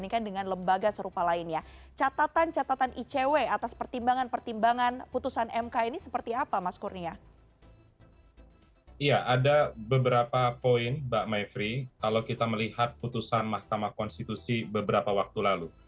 ya ada beberapa poin mbak maifri kalau kita melihat putusan mahkamah konstitusi beberapa waktu lalu